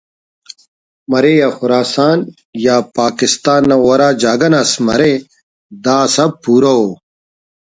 مرے یا خراسان یا پاکستان نا او ہرا جاگہ ناس مرے دا اسہ پورو ءُ